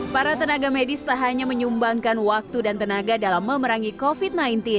para tenaga medis tak hanya menyumbangkan waktu dan tenaga dalam memerangi covid sembilan belas